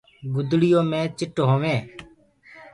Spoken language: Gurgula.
گُدڙيو مي چٽ هووينٚ